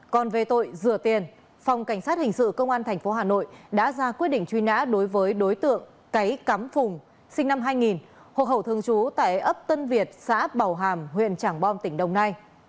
còn về tội rửa tiền phòng cảnh sát hình sự công an tp hà nội đã ra quyết định truy nã đối với đối tượng cáy cắm phùng sinh năm hai nghìn hộ khẩu thường trú tại ấp tân việt xã bảo hàm huyện trảng bom tỉnh đồng nai